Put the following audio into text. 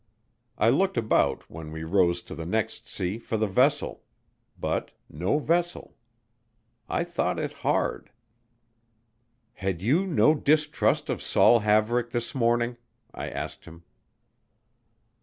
I looked about when we rose to the next sea for the vessel. But no vessel. I thought it hard. "Had you no distrust of Saul Haverick this morning?" I asked him.